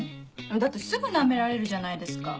だってすぐナメられるじゃないですか。